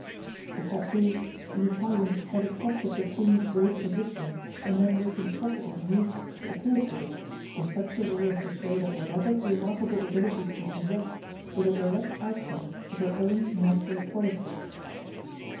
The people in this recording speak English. The fact is the Italian has accepted the queen's great position, and then reconstructed her youth to accord with it, in such a way as to show that whatever remarkable abilities she possessed were the direct outcome of her own natural qualities.